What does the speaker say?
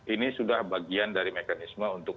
ini sudah bagian dari mekanisme untuk